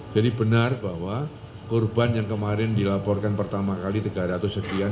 jadi benar bahwa korban yang kemarin dilaporkan pertama kali tiga ratus sekian